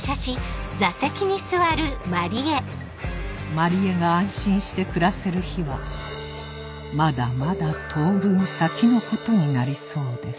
万里江が安心して暮らせる日はまだまだ当分先のことになりそうです